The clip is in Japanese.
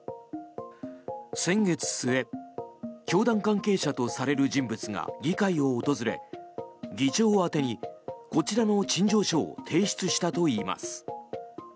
先月末、教団関係者とされる人物が議会を訪れ議長宛てにこちらの陳情書を提出したといいます。